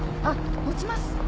あっ持ちます。